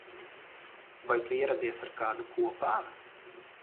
Vai tu ieradies ar kādu kopā?